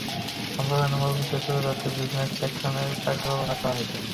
সম্মেলনের মূল বিষয় তুলে ধরতে বিজনেস সেশনকে চারটি পর্বে ভাগ করা হয়েছে।